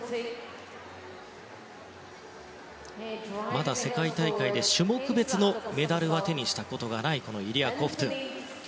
まだ世界大会で種目別のメダルは手にしたことがないイリア・コフトゥン。